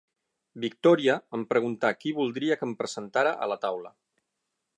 Victòria em preguntà qui voldria que em presentara a la taula.